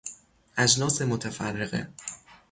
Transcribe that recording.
اجناس متفرقه